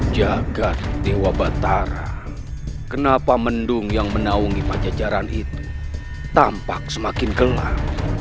jagad dewa batara kenapa mendung yang menaungi pajajaran itu tampak semakin gelap